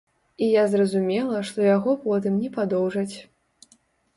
І я зразумела, што яго потым не падоўжаць.